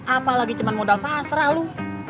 apalagi cuman modal pasrah lu